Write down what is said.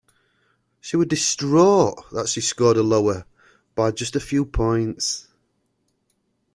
She was distraught that she scored lower by just a few points.